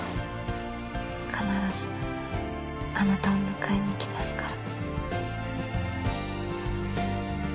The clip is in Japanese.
必ずあなたを迎えにいきますから。